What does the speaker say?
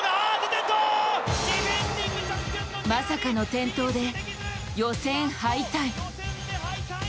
まさかの転倒で予選敗退。